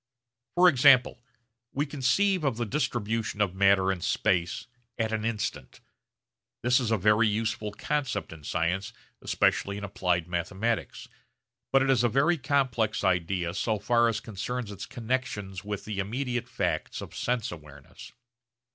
For example we conceive of the distribution of matter in space at an instant. This is a very useful concept in science especially in applied mathematics; but it is a very complex idea so far as concerns its connexions with the immediate facts of sense awareness.